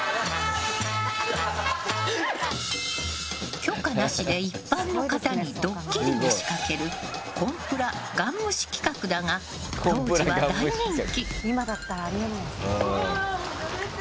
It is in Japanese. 許可なしで一般の方にドッキリを仕掛けるコンプラ、ガン無視企画だが当時は大人気。